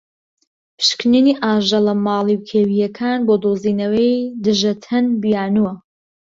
پشکنینی ئاژەڵە ماڵی و کێویەکان بۆ دۆزینەوەی دژەتەن بیانوە.